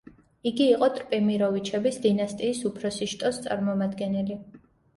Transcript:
იგი იყო ტრპიმიროვიჩების დინასტიის უფროსი შტოს წარმომადგენელი.